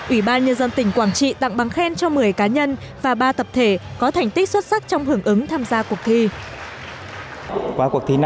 ủy ban nhân dân tỉnh quảng trị tặng bằng khen cho một mươi cá nhân và ba tập thể có thành tích xuất sắc trong hưởng ứng tham gia cuộc thi